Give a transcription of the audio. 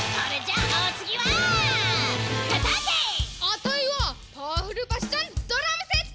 「あたいは『パワフルパッションドラムセット』！」